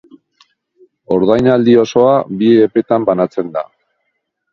Ordainaldi osoa bi epetan banatzen da